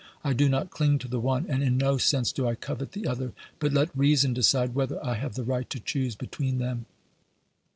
I do not cling to the one, and in no sense do I covet the other, but let reason decide whether I have the right to choose between them.